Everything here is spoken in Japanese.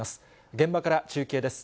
現場から中継です。